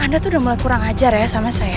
anda tuh udah mulai kurang ajar ya sama saya